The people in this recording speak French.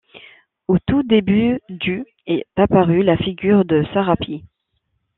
Au tout début du est apparue la figure de Sarapis.